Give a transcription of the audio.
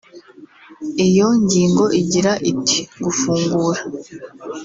Iyo ngingo igira iti “Gufungura